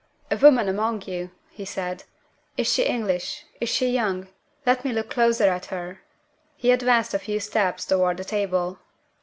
"A woman among you!" he said. "Is she English? Is she young? Let me look closer at her." He advanced a few steps toward the table.